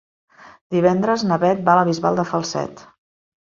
Divendres na Beth va a la Bisbal de Falset.